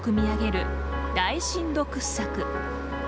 大深度掘削。